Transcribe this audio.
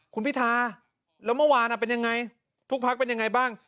คุณพิทาแล้วเมื่อวานเป็นยังไงทุกพักเป็นยังไงบ้าง